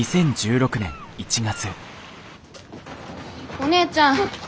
お姉ちゃん。